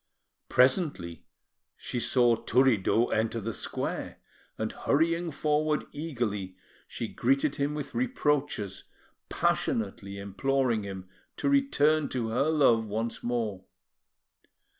Presently, she saw Turiddu enter the square, and, hurrying forward eagerly, she greeted him with reproaches, passionately imploring him to return to her love once more.